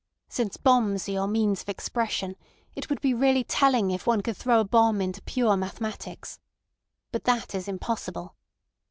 Since bombs are your means of expression, it would be really telling if one could throw a bomb into pure mathematics. But that is impossible.